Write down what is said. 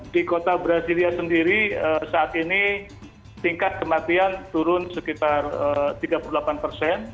di kota brasilia sendiri saat ini tingkat kematian turun sekitar tiga puluh delapan persen